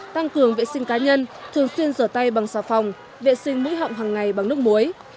tăng cường vệ sinh cá nhân thường xuyên rửa tay bằng xà phòng vệ sinh mũi họng hằng ngày bằng nước muối